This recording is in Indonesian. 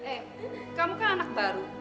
eh bu kamu kan anak baru